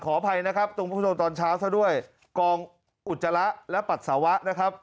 ขออภัยนะครับตรงประโยชน์ตอนเช้าซะด้วยกองอุจจาระและปัดสาวะนะครับ